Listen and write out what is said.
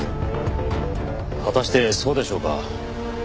果たしてそうでしょうか？